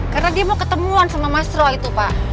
karena dia mau ketemuan sama mas rua itu pak